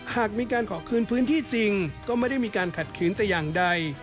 หากมีการขอคืนพื้นที่จริงก็ไม่ได้มีการขัดขืนแต่อย่างใด